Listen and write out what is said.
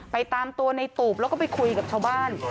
ตามตัวในตูบแล้วก็ไปคุยกับชาวบ้าน